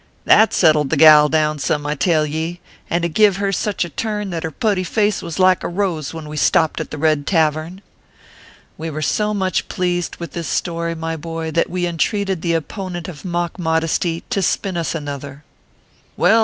That settled the gal down some, I tell ye ; and it give her such a turn that her putty face was like a rose when we stopt at the Red Tavern." We were so much pleased with this story, my boy, that we entreated the opponent of mock modesty to spin us another. 234 ORPHEUS C. KERR PAPERS.